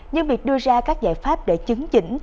nhưng việc đưa ra các giải pháp để chứng chỉnh